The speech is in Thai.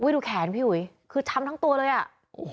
ดูแขนพี่อุ๋ยคือช้ำทั้งตัวเลยอ่ะโอ้โห